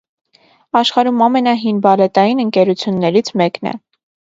Աշխարհում ամենահին բալետային ընկերություններից մեկն է։